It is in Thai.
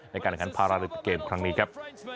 ในการแข่งขันภาระเรียนเกมครั้งนี้ครับ